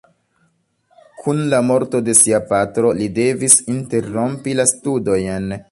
Kun la morto de sia patro, li devis interrompi la studojn.